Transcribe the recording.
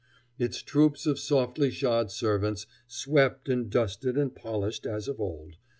Its troops of softly shod servants swept and dusted and polished as of old.